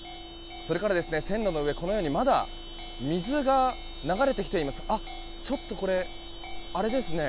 それから線路の上まだ水が流れてきています。